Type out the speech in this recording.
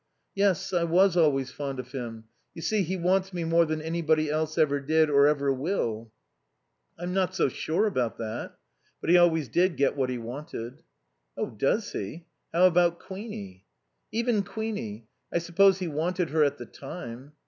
"Yes. I was always fond of him.... You see, he wants me more than anybody else ever did or ever will." "I'm not so sure about that. But he always did get what he wanted." "Oh, does he! How about Queenie?" "Even Queenie. I suppose he wanted her at the time."